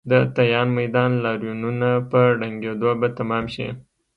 د تیان میدان لاریونونه په ړنګېدو به تمام شي.